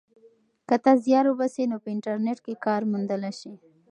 که ته زیار وباسې نو په انټرنیټ کې کار موندلی سې.